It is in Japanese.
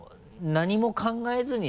「何も考えずに」？